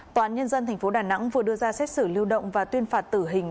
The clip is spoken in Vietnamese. tòa án nhân dân tp đà nẵng vừa đưa ra xét xử lưu động và tuyên phạt tử hình